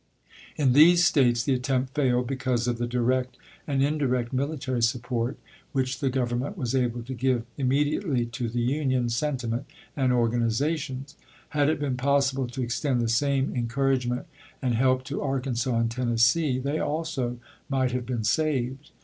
In these States the attempt failed be cause of the direct and indirect military support which the Government was able to give immedi ately to the Union sentiment and organizations. Had it been possible to extend the same encour agement and help to Arkansas and Tennessee, they also might have been saved.